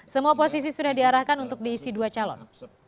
semua posisi sudah diarahkan untuk diisi dua calon